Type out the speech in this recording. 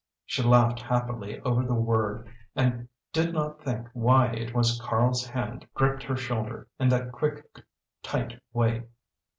She laughed happily over the word and did not think why it was Karl's hand gripped her shoulder in that quick, tight way.